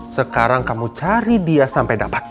sekarang kamu cari dia sampai dapat